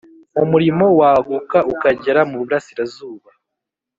Umurimo waguka ukagera mu Burasirazuba